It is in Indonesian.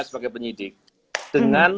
sebagai penyidik dengan